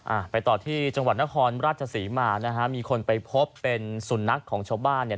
อ่าไปต่อที่จังหวัดนครราชศรีมานะฮะมีคนไปพบเป็นสุนัขของชาวบ้านเนี่ย